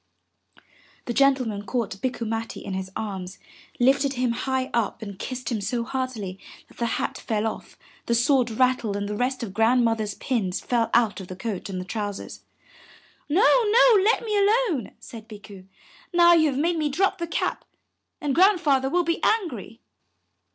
'' The gentleman caught Bikku Matti in his arms, lifted him high up and kissed him so heartily that the hat fell off, the sword rattled and the rest of Grandmother's pins fell out of the coat and the trousers. '*No, no, let me alone," said Bikku. '*Now you have made me drop the cap, and Grandfather will be angry."